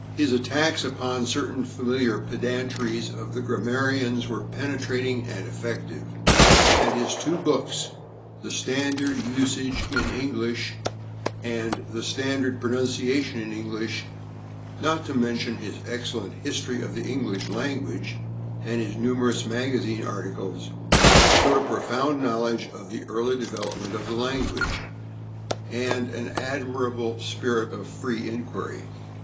His attacks upon certain familiar pedantries of the grammarians were penetrating and effective, and his two books, "The Standard of Usage in English" and "The Standard of Pronunciation in English," not to mention his excellent "History of the English Language" and his numerous magazine articles, showed a profound knowledge of the early development of the language, and an admirable spirit of free inquiry.